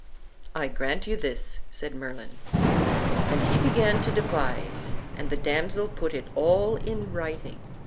"I grant you this," said Merlin. Then he began to devise, and the damsel put it all in writing.